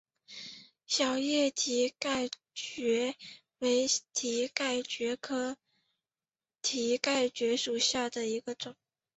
小叶蹄盖蕨为蹄盖蕨科蹄盖蕨属下的一个种。